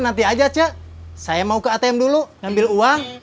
nanti aja cak saya mau ke atm dulu ngambil uang